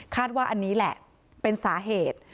ว่าอันนี้แหละเป็นสาเหตุ